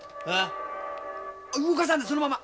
動かさんでそのまま。